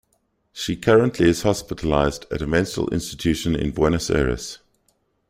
She currently is hospitalized at a mental institution in Buenos Aires.